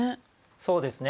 そうですね。